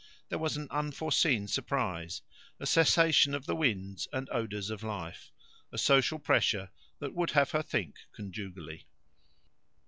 There was an unforeseen surprise, a cessation of the winds and odours of life, a social pressure that would have her think conjugally.